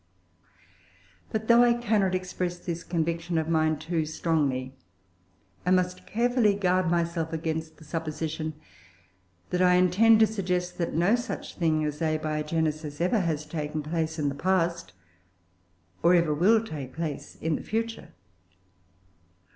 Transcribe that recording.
But though I cannot express this conviction of mine too strongly, I must carefully guard myself against the supposition that I intend to suggest that no such thing as Abiogenesis ever has taken place in the past, or ever will take place in the future.